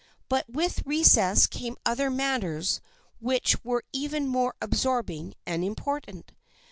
But with recess came other matters which were even more absorbing and important.